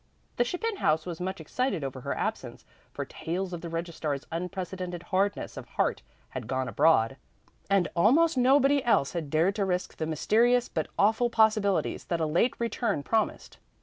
The Chapin house was much excited over her absence, for tales of the registrar's unprecedented hardness of heart had gone abroad, and almost nobody else had dared to risk the mysterious but awful possibilities that a late return promised.